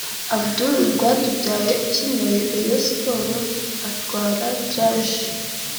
Abdoul Rwatubyaye ukinira Rayons Sport atwara Touareg